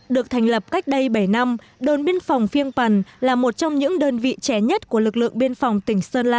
được thành lập cách đây bảy năm đồn biên phòng phiêng pần là một trong những đơn vị trẻ nhất của lực lượng biên phòng tỉnh sơn la